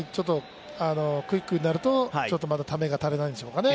クイックになるとちょっとためが足りないんですかね。